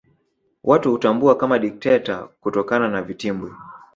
Watu hutambua kama dikteta kutokana na vitimbwi